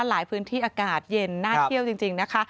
หลายพื้นที่อากาศเย็นน่าเที่ยวจริงนะคะ